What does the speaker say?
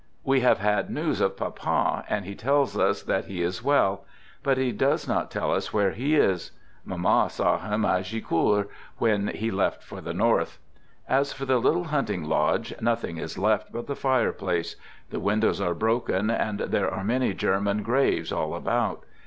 We have had news of Papa, and he tells us that he is well; but he does not tell us where he is. Mamma saw hirri at Gicourt, when he left for the north. As for the little hunting lodge, nothing is left but the fireplace; the windows are broken, and there are many German graves all about.